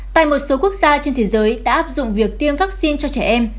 tại một số quốc gia trên thế giới đã áp dụng việc tiêm vaccine cho trẻ em